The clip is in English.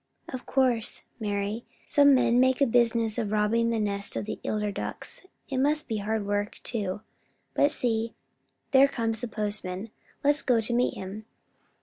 "Of course, Mari. Some men make a business of robbing the nests of eider ducks. It must be hard work, too. But see, there comes the postman. Let's go to meet him."